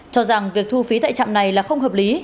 cho rằng việc thu phí tại trạm này là không hợp lý